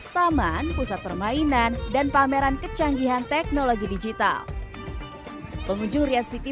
taman pusat permainan dan pameran kecanggihan teknologi digital pengunjung rian city